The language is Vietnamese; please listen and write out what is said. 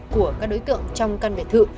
của các đối tượng trong căn biệt thự